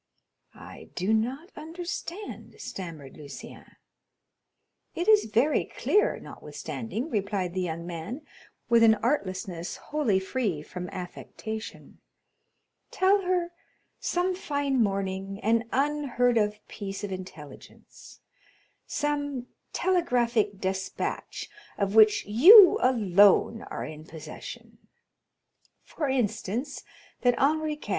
"I do not understand," stammered Lucien. "It is very clear, notwithstanding," replied the young man, with an artlessness wholly free from affectation; "tell her some fine morning an unheard of piece of intelligence—some telegraphic despatch, of which you alone are in possession; for instance, that Henri IV.